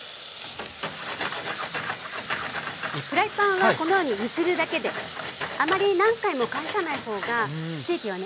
フライパンはこのように揺するだけであまり何回も返さない方がステーキはね